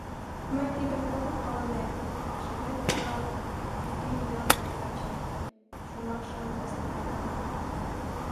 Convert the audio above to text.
— Мый тидым огыл палынем, — рашемден ойла Пыздӱҥ ял каче, шомакшым ласканрак ойла.